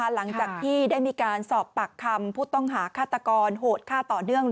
หลังจากที่ได้มีการสอบปากคำผู้ต้องหาฆาตกรโหดฆ่าต่อเนื่อง